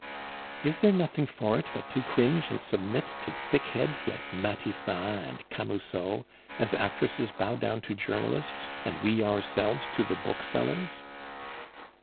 "Is there nothing for it but to cringe and submit to thickheads like Matifat and Camusot, as actresses bow down to journalists, and we ourselves to the booksellers?"